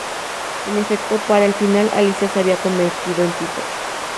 En efecto, para el final, Alicia se había convertido en Peter.